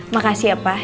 makasih ya pak